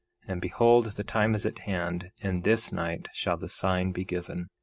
And behold, the time is at hand, and this night shall the sign be given.